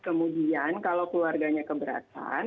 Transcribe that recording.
kemudian kalau keluarganya keberatan